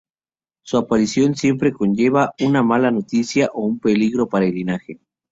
Su aparición siempre conlleva una mala noticia o un peligro para el linaje.